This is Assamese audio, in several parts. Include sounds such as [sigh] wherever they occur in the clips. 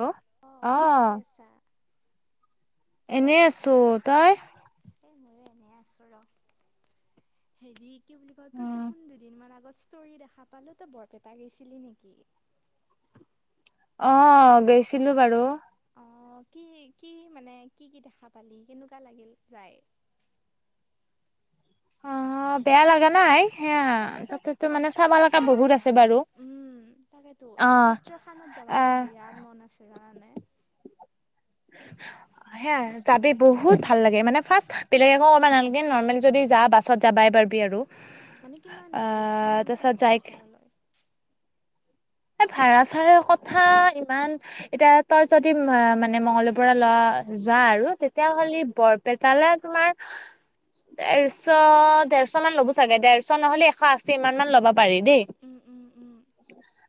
হেল্ল' অ কি কৰি আছা? কি কৰি এনেই আছা? আছো, তই? এই ময়ো এনে আছোঁ ৰ হেৰি কি বুলি কয় তোৰ দেখোন দুদিন মান আগত ষ্টৰি দেখা পালো তই বৰপেটা গেইছিলি নেকি? অ গৈছিলো বাৰু। অ কি কি মানে কি কি দেখা পালি কেনেকুৱা লাগিল যায়। অ বেয়া লাগা নাই। সেয়া অ তাতে তাতেতো মানে সত্ৰ চাব লগা আছেই না বহুত আছে বাৰু উম তাকেতো অ', সত্ৰ খানত যাবা মোৰ আহ বিৰাট মন আছে জানানে সেয়া যাবি বহুত ভাল লাগে মানে ফাৰ্ষ্ট বেলেগ একৌ কৰবা নালগে নৰ্মেল যদি যা বাছত যাবাই পাৰবি আৰু। মানে কিমান দূৰ আহ কিমান কি তাৰপিছত যাই ভাড়া চাড়া লয়? এই ভাড়া চাড়াৰ কথা ইমান এতিয়া তই যদি মানে মঙ্গলৰ পৰা লোৱা যা আৰু অ তেতিয়াহলি বৰপেট তালে, তোমাৰ দেড়শ-দেড়শমান ল'ব চাগে। দেড়শ নহ'লে, এশ আশী ইমানমান ল'ব। পাৰি দেই। উম উম উম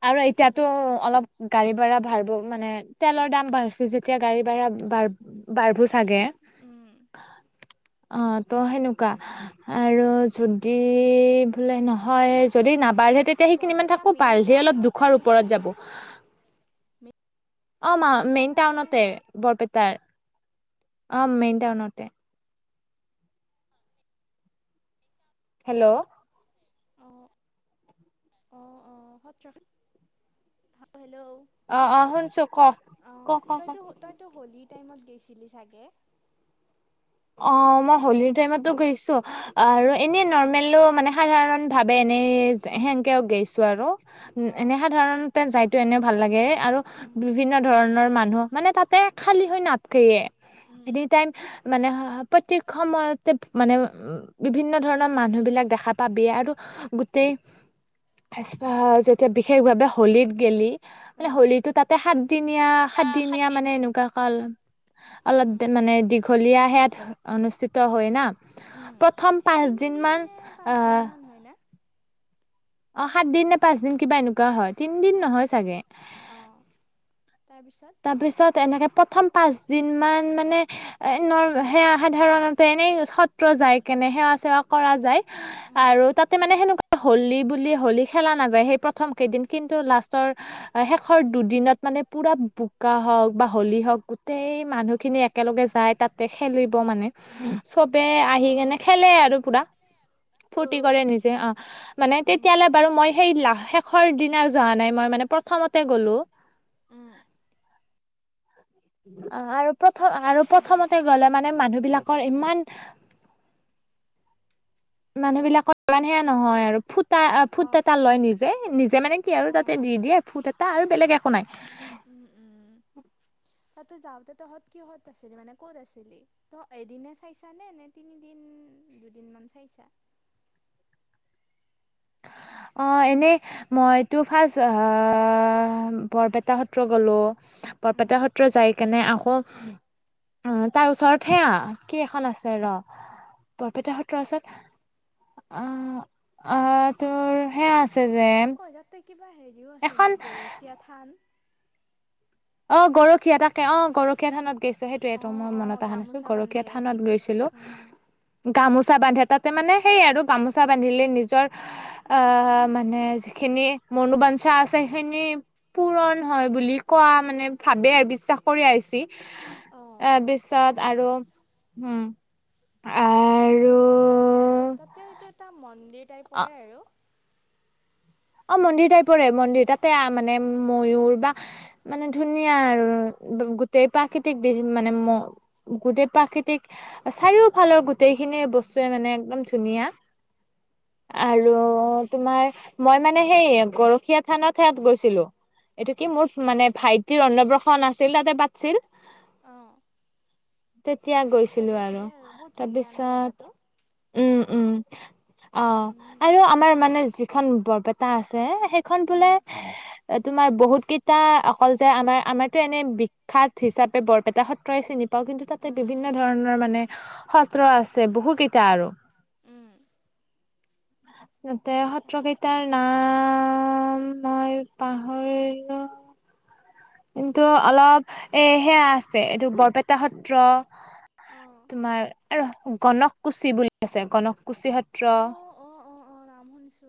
আৰু এতিয়াতো অলপ গাড়ী ভাড়া ভাঢ়বো মানে, তেলৰ দাম বাঢ়ছে যেতিয়া, গাড়ী ভাড়া বাঢ়-বাঢ়বো চাগে। উম। অ', ত' সেনেকুৱা। আৰু যদি বোলে নহয়, মানে যদি নাবাঢ়ে, তেতিয়া সেইখিনিমান বৰপেটা থাকক মেইন বাঢ়লি অলপ দুখ টাউনতে খৰ নেকি ওপৰত যাব। অ', মেইন মা-মেইন টাউনতে নেকি? বৰপেটাৰ। অ', মেইন টাউনতে। হেল্ল'! অ', অ', অ', [unintelligible] হেল্ল'! অ, অ শুনচো ক, ক, অ', ক। তইতো তইতো হোলী টাইমত গৈছিলি চাগে? অ, মই হোলীৰ টাইমতো গৈছোঁ। আৰু এনেই নৰ্মেলো, মানে। সাধাৰণভাৱে এনেই, যে সেনেকৈও গৈছোঁ, আৰু এনে অ', সাধাৰণতে যাইতো এনে। ভাল লাগে আৰু উম, বিভিন্ন ধৰণৰ মা ন, মানে তাতে খালী হৈ নাথকেয়ে, উম, এনিটাইম খা মানে হ, হ, প্ৰত্যেক সময়তে, মানে, বিভিন্ন ধৰণৰ মানুহবিলাক দেখা পাবি এই। আৰু গোটেই হেচা যেতিয়া বেছি হোৱা বা হ'লীত গে'লি উম, হ'লীতটো তাতে সাতদিনীয়া, সাতদিনীয়া, মানে এনেকুৱা কাল। অলপ উম, দি মানে দি। খলীয়াহেত অনুষ্ঠিত হয়, না? উম, প্ৰথম পাঁচদিন তিনিদিন মান নে আহ। পাঁচদিনমান হয়নে? অ, সাত দিন নে পাঁচ দিন, কিবা এনেকুৱা হয়। তিনিদিন অ', নহয়, চাগে। অ', তাৰপিছত তাৰ পিছত, এনেকে পট। প্ৰথম পাঁচদিনমান, মানে, এনে নৰ এনে সেৱা সাধাৰণতে সত্ৰ যায় কেনে সেৱা-চেৱা কৰা যায়। উম, আৰু তাতে, মানে, সেনেকুৱা হ'লি বুলি হ'লি খেলা নাযায় সেই প্ৰথম কেইদিন। কিন্তু লাষ্টৰ শেষৰ দুদিনত মানে পুৰট ব বোকা হওক বা হ'লী হওক, গোটেই মানুহখিনি একেলগেই যায়। তাতে খেলিব, মানে চবে আহি অ', কেনে অ', খেলে, আৰু পুৰা ফূৰ্তি অ', কৰে নিজে। অ, মানে, উম, তেতিয়ালৈ বাৰু মই সেই লাহ শেষৰ দিনা যোৱা নাই মই, মানে, প্ৰথমতে গ'লোঁ। উম, অ, আৰু প্ৰ থ, আৰু প্ৰথমতে বৰমাহত গ'লে, মানে, মানুহবিলাক কৰে ইমান মানুহ হেল্ল' বিলাকত ইমানে নহয় আৰু ফুটা আ ফুট অ', এটা লয় নিজে। ই নিজে মা নে কি আৰু তাতে অ', নিদিয়ে ফুট এট আৰু বেলেগ একো নাই। উম, উম তাতে যাওঁতে তহঁত কিহত আছিলি। মানে ক'ত আছিলি। তই এদিনে চাইছানে নে তিনিদিন দুদিন মান চাইছা। অ এনে মইতো ফ্ৰাঢ আ বৰপেটা সত্ৰ গলো। বৰপেটা উম, সত্ৰ যাই কেনে আকৌ তাৰ ওচৰত হেয়া কি এখন আছে ৰহ। বৰপেটা সত্ৰৰ ওচৰত আ আ তোৰ সেয়া আছে [inaudible] অ তাতে কিবা হেৰিও আছে এখন এনেকে গৰখীয়া থান। অ গৰখীয়া, তাকে অ গৰখীয়া থানত। সেইটো এইটো অ', মুৰ অ', মনত অহা নাছিল। গামোচা গৰখীয়া বান্ধে থানত ঠিক ঠিক। গৈছিলো গামোচা বান্ধে, তাতে মানে সেই আৰু গামোচা বান্ধিলে নিজৰ মানে যিখিনি মনোবাঞ্ঞ্চা আছে। সেইখিনি পূৰণ হয় বুলি কোৱা মানে ভাবে আৰু বিশ্বাস কৰি আহিছি। অ', তাৰ পিছত আৰু, তাকেতো উম মানে আৰু ভাল লাগে আৰু। তাতে এইটো এটা মন্দিৰ অ টাইপৰে আৰু। অ মন্দিৰ টাইপৰে মন্দিৰ। তাতে মানে ময়ুৰ বা মানে ধুনীয়া আৰু গোটেই প্ৰাকৃতিক দিশ। মানে গোটেই প্ৰাকৃতিক চাৰিওফালৰ গোটেইখিনি বস্তুৱে মানে একদম ধুনীয়া। আৰু অ', তোমাৰ মই মানে সেই গৰখীয়া থান খনত গৈছিলো। এইটো কি মানে মোৰ ভাইটিৰ অন্নপ্ৰসন আছিল। তাতে পাতছিল। অ তেতিয়া গৈছিলো আৰু গৈছিলে বহুত ধুনীয়া না তাৰপিছত জেগাটো। উম উম অ, উম, আৰু আমাৰ মানে যিখন বৰপেটা আছে। সেইখন বোলে উম, তোমাৰ বহুত কেইটা অকল যে আমাৰ আমাৰতো এনে বিখ্যাত হিচাপে বৰপেটা সত্ৰই চিনি পাওঁ কিন্তু তাতে উম, বিভিন্ন উম, ধৰণৰ মানে সত্ৰ আছে বহু কেইটা আৰু। উম ততে অ', সত্ৰ কেই তাৰ নাম মই পাহৰিলো। কিন্তু অলপ এহে আছে। এইটো বৰপেটা সত্ৰ তোমাৰ গনক কুছি বুলি আছে গনক কুছি সত্ৰ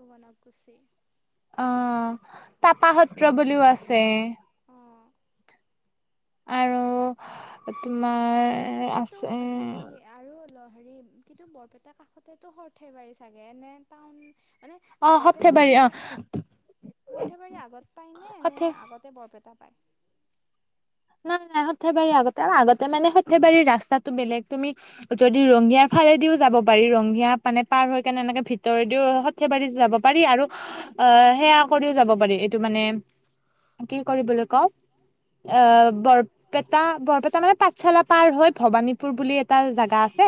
গনক খুচি অ তাপা সত্ৰ বুলিও আছে। অ'। আৰু তোমাৰ কিন্তু আছে হেৰি আৰু অলপ কিন্তু বৰপেটাৰ কাষতেতো সৰ্থেবাৰী চাগে, নে টাউন মানে অ আগতে অ সৰ্থেবাৰী, সৰ্থেবাৰী আগত পায় নে? নে সৰ্থে আগতে বৰপেটাত নাই নাই সৰ্থেবাৰীৰ আগতে। আগতে মানে সৰ্থেবাৰীৰ ৰাস্তাটো বেলেগ। তুমি যদি ৰঙিয়াৰ ফাৰেদিও যাব পাৰি। ৰঙিয়া মানে পাৰ হৈ কেনে এনেকে ভিতৰেদিও সৰ্থেবাৰীত যাব পাৰি। আৰু অ সেয়া কৰিও যাব পাৰি এইটো মানে কি বুলি কওঁ অ বৰপেটা, বৰপেটা মানে পাঠশালা পাৰ হৈ ভবানীপুৰ বুলি এটা জেগা আছে।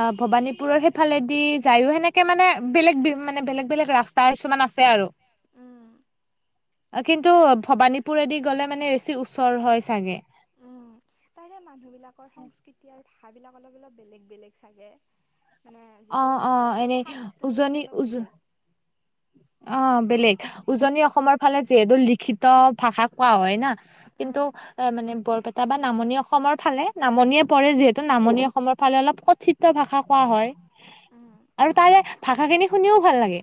অ ভবানীপুৰৰ সেইফালেদি যায়ো সেনেকে মানে বেলেগ মানে বেলেগ বেলেগ ৰাস্তা আছে আৰু। কিন্তু ভবানীপুৰদি গ'লে মানে বেছি উচৰ হয় চাগে। মানুহ বিলাকৰ সংস্কৃতি আৰু ভাষাবিলাক অলপ অলপ বেলেগ বেলেগ চাগে। মানে অ যিটো অ সিহঁতৰ এনে ঠাঁচটো সেইটো উজনি অলপ উজু বেলেগ। অ বেলেগ উজনি অসমৰ ফালে যিহেতু লিখিত ভাষা কোৱা হয় না। কিন্তু মানে বৰপেটা বা নামনি অসমৰ ফালে নামনিয়ে পৰে যিহেতু নামনি অসমৰ ফালে অলপ কথিত ভাষা কোৱাঁ হয়। আৰু তাৰে ভাষাখিনি শুনিও ভাল লাগে।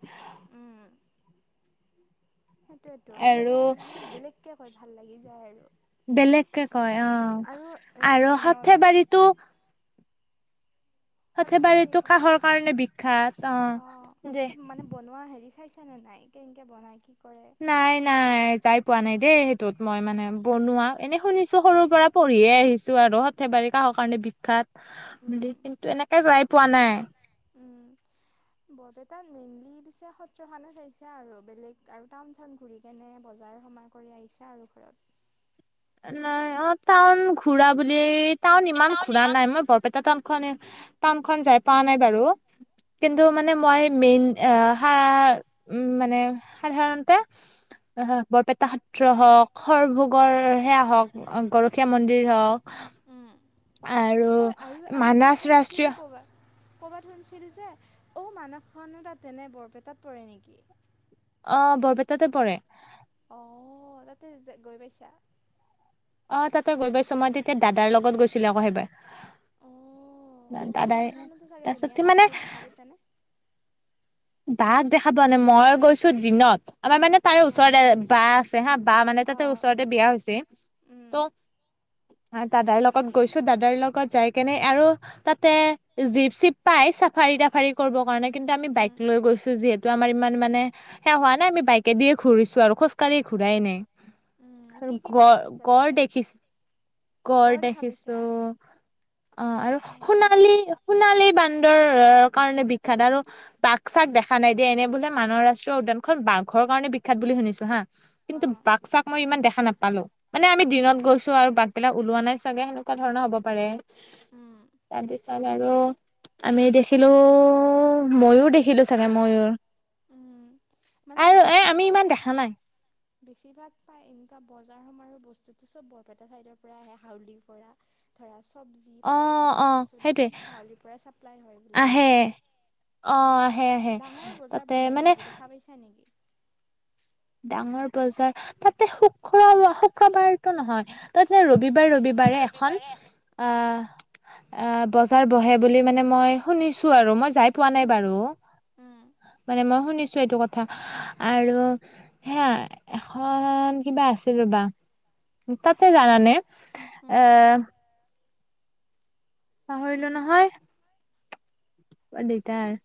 সেইটোয়েতো আৰু সেইটোয়ে মানে বেলেগকে কয়। ভাল লাগি যায় আৰু বেলেগকে কয় অ আৰু এতিয়া আৰু নল সথেবাৰীটো সথেবাৰীতো সৰ্থেবাৰী কাঁহৰ কাৰণে বিখ্যাত অ যে নে নাই কেনেকে বনাই কি কৰে নাই নাই যাই পোৱা নাই দেই সেইটোত মই মানে বনোৱা এনেই শুনিছোঁ সৰুৰ পৰা পঢ়িয়ে আহিছোঁ আৰু সৰ্থেবাৰী কাঁহৰ কাৰণে বিখ্যাত উম বুলি কিন্তু এনেকে যাই পোৱা নাই উম বৰপেটাত মেইনলি পিছে সত্ৰ খনে চাইছা আৰু বেলেগ আৰু টাউন চাউন ঘুৰি কেনে বজাৰ সমাৰ কৰি আহিছে আৰু ঘৰত নাই অ টাউন ঘুৰা বুলি টাউন ইমান ঘুৰা নাই মই বৰপেটা টাউনখন এ টাউনখন যায় পোৱা নাই বাৰু, কিন্তু উম মানে মই মেইন আ, সা-মানে সাধাৰণতে বৰপেটা সত্ৰ হওঁক, সৰভোগৰ সেয়া হওঁক, গৰখীয়া মন্দিৰ হওঁক। উম আৰু ঐ আৰু আৰু মই মানাছ ৰাষ্ট্ৰীয় শুনিছিলোঁ ক'ৰবাত কৰ'বাত শুনিছিলোঁ যে, অউ, মানসখনো তাতেনে বৰপেটাত পৰে নেকি? অ', বৰপেটাতে পৰে। অ', তাতে য-গৈ পাইছা? অ', তাতে গৈ পাইছোঁ মই তেতিয়া দাদাৰ লগত গৈছিলোঁ আকৌ সেইবাৰ। অঁ সেই দাদায়ে সেইখনতো চাগে ধুনীয়া তাছতে বাঘ মানে চাগ দেখা পাইছানে বাঘ দেখা পোৱা নাই, মই গৈছো দিনত। আমাৰ মানে তাৰে ওচৰতে অঁ বা আছে হা, বা মানে তাতে অঁ ওচৰতে বিয়া হৈছে উম ত' দাদাৰ লগত গৈছোঁ, দাদাৰ লগত যাই কেনে আৰু তাতে জিপ চিপ পাই, চাফাৰী তাফাৰি কৰিব কাৰণে কিন্তু উম আমি বাইক উম গৈছোঁ যিহেতু আমাৰ ইমান উম মানে সেয়া হোৱা নাই আমি বাইকে দিয়ে ঘূৰিছো আৰু খোজাকাঢ়ি ঘূৰাই নাই। উম, আৰু কি কি গ দেখা পাইছা গড় তাতে? দেখিছোঁ গড় দেখা পাইছা? দেখিছোঁ অ', আৰু অ', সোণালী, সোণালী বান ন্দৰ কাৰণে বিখ্যাত আৰু বাক চাক দেখা নাই দিয়া এনে বোলে মানৱ ৰাষ্ট্ৰীয় উদ্যানখন বাঘৰ কাৰণে বিখ্যাত বুলি শুনিছোঁ হা কিন্তু বাঘ চাক মই ইমান দেখা নাপালোঁ। মানে আমি দিনত উম। গৈছোঁ আৰু বাঘবিলাক ওলোৱা নাই চাগে সেনেকুৱা ধৰণৰ হ'ব পাৰে। উম, তাৰপিছ তাৰ বাৰ আৰু আমি দেখিলোঁ, ময়ূৰ দেখি দেখিলোঁ চাগে ময়ূৰ। উম। মানে বেছিভাগ, ইমান দেখা নাই বেছিভাগ পাই এনেকুৱা বজাৰ সামাৰ বস্তুটো চব বৰপেটা চাইডৰ পৰাই আহে হাউলিৰ পৰা ধৰা চবজি অ পাচলি অ শাক-পাচলি সেইটোৱে চব [unintelligible] পৰাই চাপ্লাই হয়। বোলে আহে অ উ আহে আহে ডাঙৰ বজাৰ তাতে বহে মানে নেকি? [inaudible] ডাঙৰ বজাৰ, তাতে শুক্ৰ শুক্ৰবাৰটো নহয়। তাতে ৰবি বাৰ, ৰবিবাৰে এখন আ অ' বজাৰ বহে বুলি মানে মই শুনিছো আৰু মই যাই পোৱা নাই উম, বাৰু। উম, মানে মই শুনিছো এইটো কথা, আৰু সেয়া এখন, কিবা আছিল ৰ'বা! তাতে জানানে? উম। আহ। পাহৰিলো নহয়, বৰ দিগদাৰ।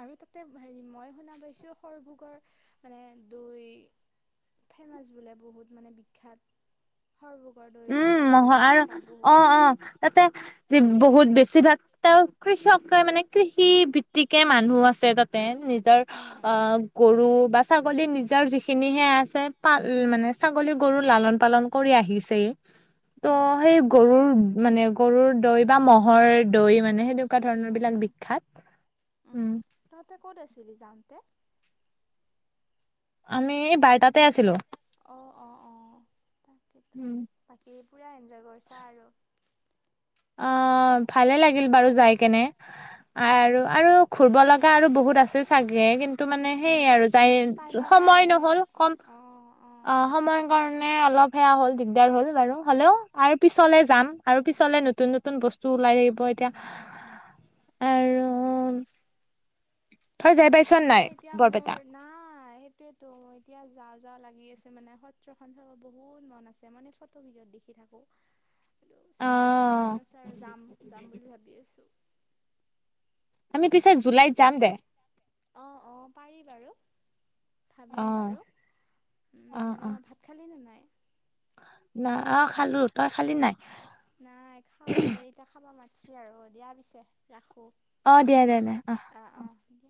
আৰু তাতে হেৰি মই শুনা পাইছোঁ, সৰভোগৰ মানে দৈ, ফেমাছ বোলে বহুত মানে বিখ্যাত। সৰভোগৰ দৈ বুলি উম, ক'লে মানে মহৰ আৰু বিখ্যাত অ' বহুত। অ' তাতে যি বহুত বেছিভাগ ত কৃষকে মানে কৃষি ভিত্তিকে মানুহ আছে। তাতে, নিজৰ উম, অ' গৰু বা ছাগলী নিজৰ যিখিনি সেয়া আছে পাল মানে ছাগলী গৰু লালন-পালন কৰি আহিছেই। ত' উম, সেই গৰুৰ মানে গৰুৰ দৈ বা ম'হৰ দৈ মানে সেনে কুৱা ধৰণৰ বিলাক বিখ্যাত। উম। ক'ত আছিলি যাওঁতে? আমি এ বাৰটাতে আছিলোঁ। অ অ-অ। উম তাকেই পুৰা এনজয় কৰিছা আৰু। অ, ভালে লাগিল বাৰু যাই কেনে। আৰু উম, আৰু ঘূৰ্ব লগা গা আৰু বহুত আছে চাগে, কিন্তু কিন্তু মানে সেই উম, আৰু যাই টাইমৰ সময় কাৰণে নহ'ল কম, অঁ অ অঁ সময় কাৰণেটো সেই অলপ সেয়া হ'ল দিগদাৰ হ'ল বাৰু, হ'লেও আৰু পিছলে যাম আৰু পিছলে নতুন- নতুন বস্তু ওলাই থাকিব এতিয়া আৰু [inaudible] ভালে নাই এতিয়া বৰপেটা? মোৰ নাই সেটোৱেটো, এতিয়া যাওঁ -যাওঁ লাগি আছে মানে সত্ৰখন চাব বহুত মন আছে, মানে ফটো ভিডিঅত দেখি থাকোঁ। টো চাবৰ কাৰণে অ', মন আছে আৰু যাম, যাম বুলি ভাবি আছোঁ। আমি পিছত জুলাইত যাম দে। অঁ অঁ [unintelligible] ভাবিম অ', বাৰু। অ', উম ম ভাত খালিনে নাই? নাই অ খালো, তই খালি নাই? নাই খাও হে, এতিয়া খাবা মাতিছি আৰু দিয়া পিছে ৰাখ অঁ দিয়া দিয়া-দিয়া, অহ। অঁ দিয়া